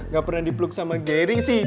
gak pernah dipeluk sama garing sih